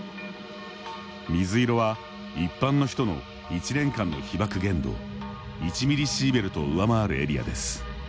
水色は一般の人の１年間の被曝限度１ミリシーベルトを上回るエリアです。